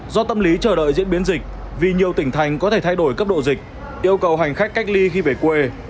do tâm lý chờ đợi diễn biến dịch vì nhiều tỉnh thành có thể thay đổi cấp độ dịch yêu cầu hành khách cách ly khi về quê